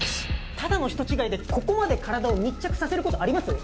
ただの人違いでここまで体を密着させることあります？